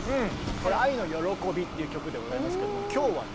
これは「愛のよろこび」っていう曲でございますけども今日はね